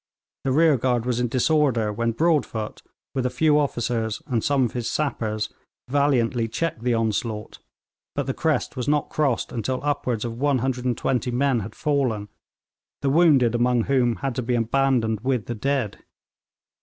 The rear guard was in disorder, when Broadfoot, with a few officers and some of his sappers, valiantly checked the onslaught, but the crest was not crossed until upwards of 120 men had fallen, the wounded among whom had to be abandoned with the dead.